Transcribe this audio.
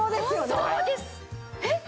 そうです！えっ！？